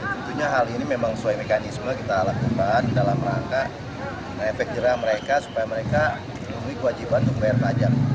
tentunya hal ini memang sesuai mekanisme kita lakukan dalam rangka efek jerah mereka supaya mereka memiliki kewajiban untuk membayar pajak